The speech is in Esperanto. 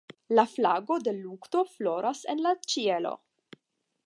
La flago de lukto floras en la ĉielo.